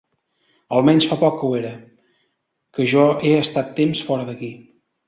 Almenys fa poc que ho era, que jo he estat temps fora d’aquí.